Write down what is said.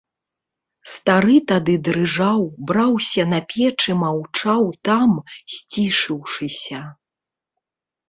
Стары тады дрыжаў, браўся на печ і маўчаў там, сцішыўшыся.